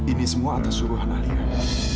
ini semua atas suruhan aliran